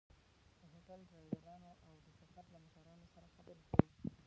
له هوټل، ډریورانو او د سفر له مشرانو سره خبرې کوي.